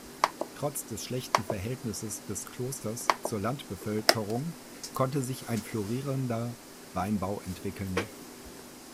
Trotz des schlechten Verhältnisses des Klosters zur Landbevölkerung konnte sich ein florierender Weinbau entwickeln.